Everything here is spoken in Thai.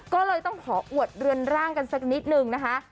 ก็เลยต้องขออวดเรือนร่างกันสักนิดนึงนะคะ